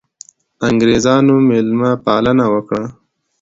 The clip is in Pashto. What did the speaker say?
انګرېزانو مېلمه پالنه وکړه.